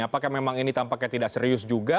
apakah memang ini tampaknya tidak serius juga